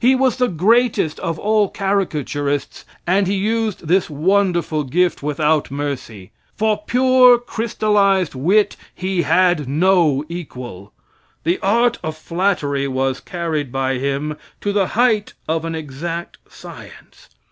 He was the greatest of all caricaturists, and he used this wonderful gift without mercy. For pure crystallized wit he had no equal. The art of flattery was carried by him to the height of an exact science.